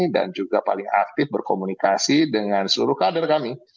dan juga paling aktif berkomunikasi dengan seluruh kader kami